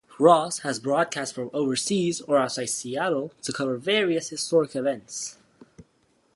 Ross has broadcast from overseas or outside Seattle to cover various historic events.